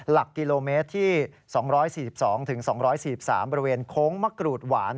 หลักกิโลเมตรที่๒๔๒๒๔๓บริเวณโค้งมะกรูดหวาน